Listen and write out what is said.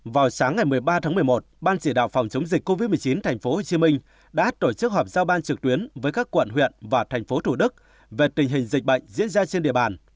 vào sáng ngày một mươi ba tháng một mươi một ban chỉ đạo phòng chống dịch covid một mươi chín tp hcm đã tổ chức họp giao ban trực tuyến với các quận huyện và thành phố thủ đức về tình hình dịch bệnh diễn ra trên địa bàn